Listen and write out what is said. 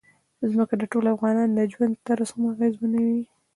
ځمکه د ټولو افغانانو د ژوند طرز هم اغېزمنوي.